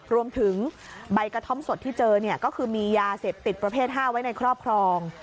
รวมถึงใบกระท่อมสดที่เจอก็คือมียาเสพติดประเภท๕ไว้ในครอบครอง